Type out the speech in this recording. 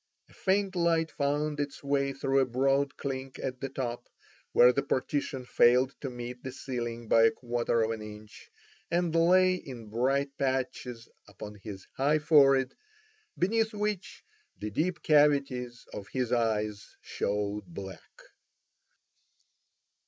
A faint light found its way through a broad clink at the top, where the partition failed to meet the ceiling by a quarter of an inch, and lay in bright patches upon his high forehead, beneath which the deep cavities of his eyes showed black.